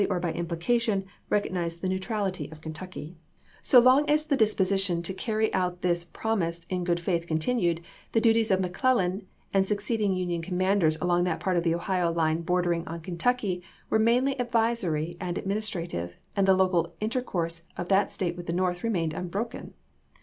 nor by implication, recognize the neutrality of Kentucky. THE OHIO LINE 203 CUAP. X. So long as the disposition to carry out this prom ise in good faith continued, the duties of MeClellan and succeeding Union commanders along that part of the Ohio line bordering on Kentucky were mainly advisory and administrative, and the local intercourse of that State with the North remained unbroken.